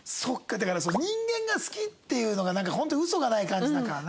だからその人間が好きっていうのがなんかホントウソがない感じだからな。